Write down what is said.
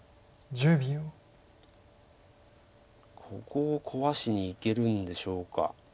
ここを壊しにいけるんでしょうか。